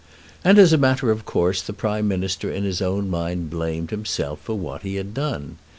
And as a matter of course the Prime Minister in his own mind blamed himself for what he had done.